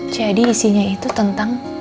jadi isinya itu tentang